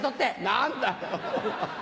何だよ！